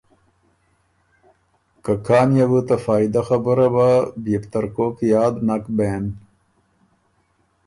که کان يې بو ته فائده خبُره بَۀ بيې بو ترکوک یاد نک بېن۔